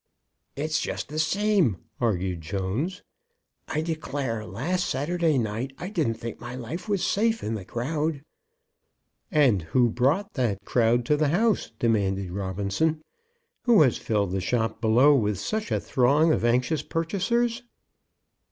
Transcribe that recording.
"It's just the same," argued Jones. "I declare last Saturday night I didn't think my life was safe in the crowd." "And who brought that crowd to the house?" demanded Robinson. "Who has filled the shop below with such a throng of anxious purchasers?"